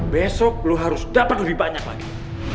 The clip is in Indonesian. besok lu harus dapat lebih banyak lagi